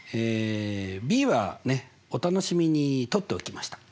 ｂはねお楽しみに取っておきました。